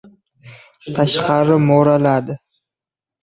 Tashqari mo‘raladi.